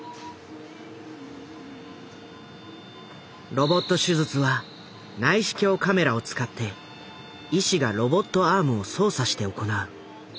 ロボット手術は内視鏡カメラを使って医師がロボットアームを操作して行う。